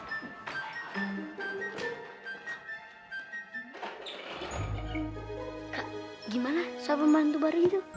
kak gimana sah pembantu baru itu